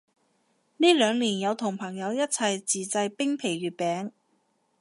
呢兩年有同朋友一齊自製冰皮月餅